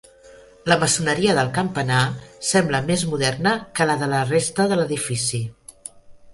La maçoneria del campanar sembla més moderna que la de la resta de l'edifici.